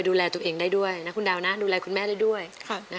ดูแลตัวเองได้ด้วยนะคุณดาวนะดูแลคุณแม่ได้ด้วย